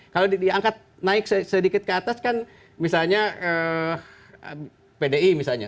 kalau diangkat naik sedikit ke atas kan misalnya pdi misalnya